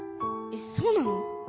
えっそうなの？